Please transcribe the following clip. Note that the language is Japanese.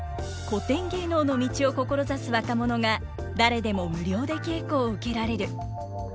古典芸能の道を志す若者が誰でも無料で稽古を受けられる。